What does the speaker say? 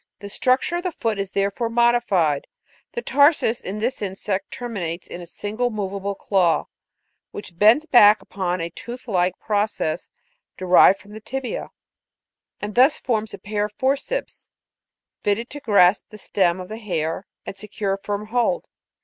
The structure of the foot is therefore modified ; the tarsus in this insect terminates in a single movable claw, which bends back upon a tooth like process derived from the tibia, and thus forms a pair of forceps fitted to grasp the stem of the hair and secure a firm hold.